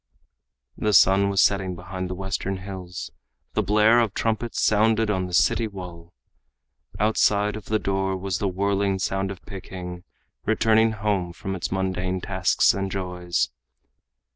The sun was setting behind the Western hills. The blare of trumpets sounded on the city wall. Outside of the door was the whirling sound of Peking returning home from its mundane tasks and joys.